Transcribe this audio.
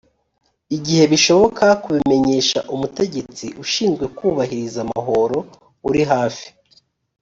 igihe bishoboka kubimenyesha umutegetsi ushinzwe kubahiriza amahoro uri hafi